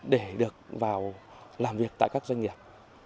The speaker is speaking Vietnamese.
để được vào làm việc tại các doanh nghiệp